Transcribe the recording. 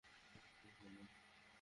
ওকে বের করে দাও।